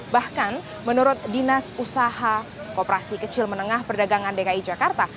bahkan menurut dinas usaha kooperasi kecil menengah perdagangan dki jakarta